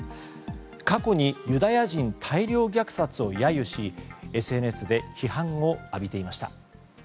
過去にユダヤ人大量虐殺を揶揄しＳＮＳで批判を浴びていました。